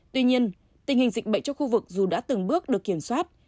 tuy nhiên tình hình dịch bệnh cho khu vực dù đã từng bước được kiểm soát